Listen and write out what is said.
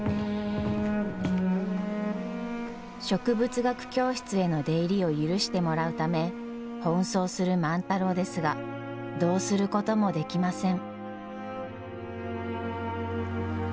植物学教室への出入りを許してもらうため奔走する万太郎ですがどうすることもできません。